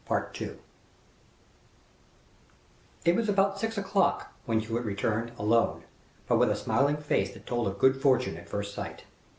It was about six o'clock when Hewitt returned, alone, but with a smiling face that told of good fortune at first sight.